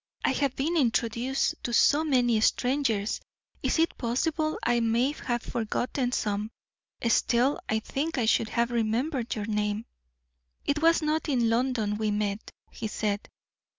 I have been introduced to so many strangers, it is possible I may have forgotten some. Still, I think I should have remembered your name." "It was not in London we met," he said.